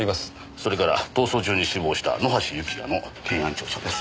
それから逃走中に死亡した野橋幸也の検案調書です。